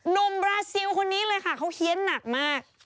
นมบราเซียวคนนี้เลยค่ะเขาเขี้ยนหนักมาก